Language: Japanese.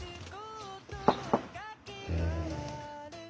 うん。